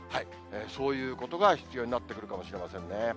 そういうことが必要になってくるかもしれませんね。